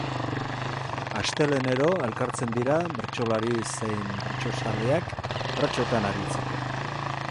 Astelehenero elkartzen dira bertsolari zein bertsozaleak, bertsotan aritzeko.